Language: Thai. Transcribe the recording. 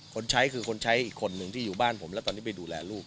คนใช้คือคนใช้อีกคนนึงที่อยู่บ้านผมแล้วตอนนี้ไปดูแลลูก